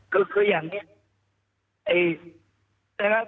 คืออย่างนี้